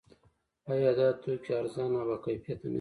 آیا دا توکي ارزانه او باکیفیته نه دي؟